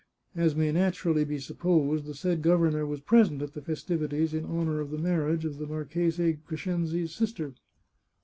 As may naturally be supposed, the said governor was present at the festivities in honour of the marriage of the Marchese Crescenzi's sister.